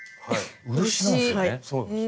漆なんですね。